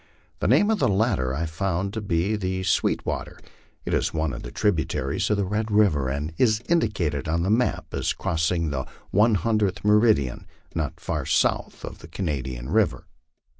The name of the latter I found to be the Sweetwater; itisone of the tributaries of Red river, and is indicated on the map as crossing the 100th meridian not far south of the Ca nadian river.